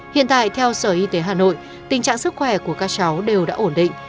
hiện tại theo sở y tế hà nội tình trạng sức khỏe của các cháu đều đã ổn định